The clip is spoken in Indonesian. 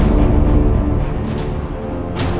terima kasih pak